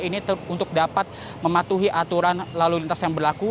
ini untuk dapat mematuhi aturan lalu lintas yang berlaku